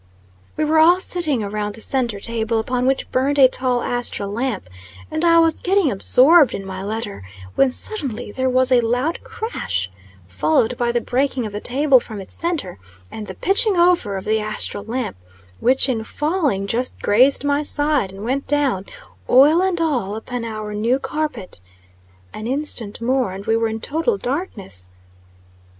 We were all sitting around the centre table, upon which burned a tall astral lamp, and I was getting absorbed in my letter, when suddenly there was a loud crash, followed by the breaking of the table from its centre, and the pitching over of the astral lamp, which, in falling, just grazed my side, and went down, oil and all, upon our new carpet! An instant more, and we were in total darkness.